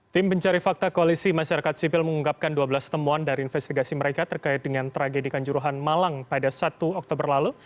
tim pencari fakta koalisi masyarakat sipil mengungkapkan dua belas temuan dari investigasi mereka terkait dengan tragedi kanjuruhan malang pada satu oktober lalu